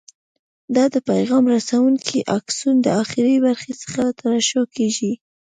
دا د پیغام رسونکي آکسون د اخري برخې څخه ترشح کېږي.